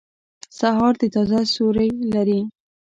سهار د تازه سیوری لري.